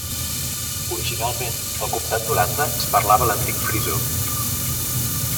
Originalment al comtat d'Holanda es parlava l'antic frisó.